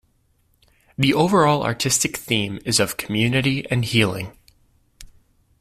The overall artistic theme is of community and healing.